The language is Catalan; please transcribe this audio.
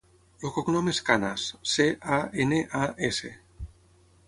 El cognom és Canas: ce, a, ena, a, essa.